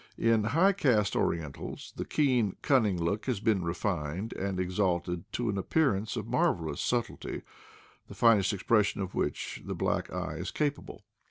In high caste Orientals the keen, cunning look has been refined and exalted to an appearance of marvelous sub tlety—the finest expression of which the black eye is capable.